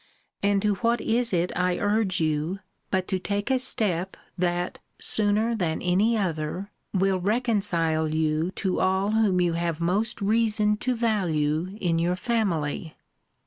And to what is it I urge you, but to take a step that sooner than any other will reconcile you to all whom you have most reason to value in your family?